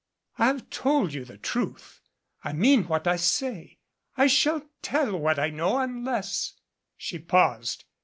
"I have told you the truth. I mean what I say. I shall tell what I know, unless She paused.